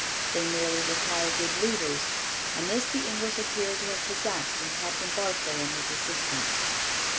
They merely require good leaders, and this the English appear to have possessed in Captain Barclay and his assistants.